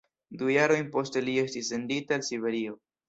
Du jarojn poste li estis sendita al Siberio.